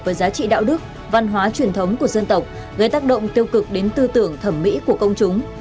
với giá trị đạo đức văn hóa truyền thống của dân tộc gây tác động tiêu cực đến tư tưởng thẩm mỹ của công chúng